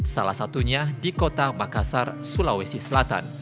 salah satunya di kota makassar sulawesi selatan